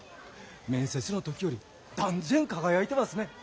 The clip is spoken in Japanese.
面接の時より断然輝いてますね。